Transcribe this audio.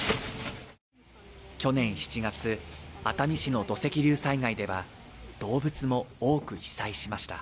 去年７月、熱海市の土石流災害では、動物も多く被災しました。